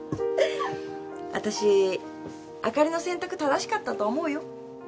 私あかりの選択正しかったと思うよ。